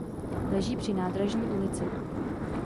Leží při Nádražní ulici.